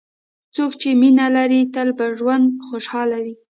څوک چې مینه لري، تل په ژوند خوشحال وي.